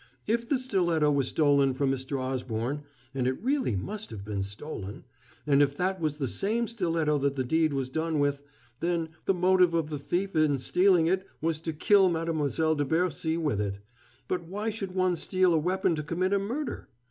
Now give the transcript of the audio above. If the stiletto was stolen from Mr. Osborne and it really must have been stolen and if that was the same stiletto that the deed was done with, then, the motive of the thief in stealing it was to kill Mademoiselle de Bercy with it. But why should one steal a weapon to commit a murder?